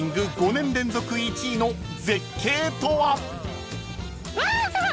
５年連続１位の絶景とは？］